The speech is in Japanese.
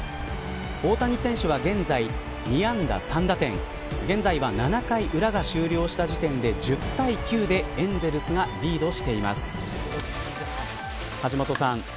大谷選手は、現在２安打３打点現在は７回裏が終了した時点で１０対９で、エンゼルスがリードしています。